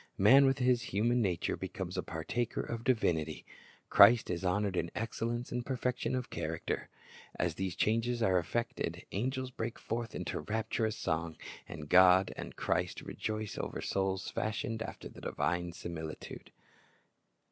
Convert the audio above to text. Man with his human nature becomes a partaker of divinity. Christ is honored in excellence and perfection of character. As these changes are efiected, angels break forth in rapturous song, and God and Christ rejoice over souls fashioned after the divine similitude.